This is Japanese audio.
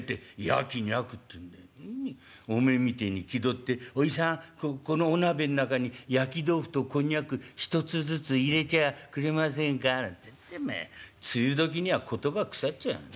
おめえみてえに気取って『おじさんこのお鍋ん中に焼き豆腐とこんにゃく１つずつ入れてはくれませんか』なんて梅雨時には言葉腐っちゃうなっ。